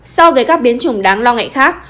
so với các biến chủng đáng lo ngại khác